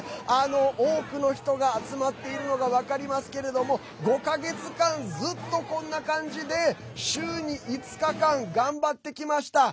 多くの人が集まっているのが分かりますけれども５か月間、ずっとこんな感じで週に５日間、頑張ってきました。